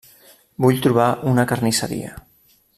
Vull trobar una carnisseria